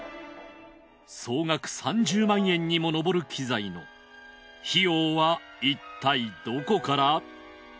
総額３０万円にものぼる機材の費用はいったいどこから？